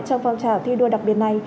trong phong trào thi đua đặc biệt này